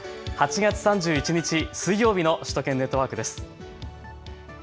８月３１日水曜日の首都圏ネットワークです。